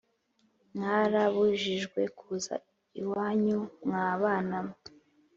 Mwarabujijwe kuza iwanyu mwa bana mwe